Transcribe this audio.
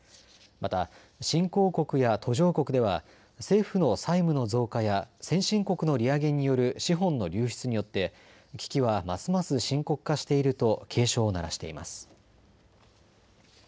また、新興国や途上国では政府の債務の増加や先進国の利上げによる資本の流出によって危機はますます深刻化していると警鐘を鳴らしています。